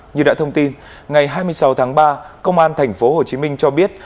như đã thông tin ngày hai mươi sáu tháng ba công an thành phố hồ chí minh cho biết